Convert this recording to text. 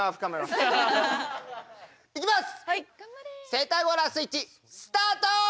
セタゴラスイッチスタート！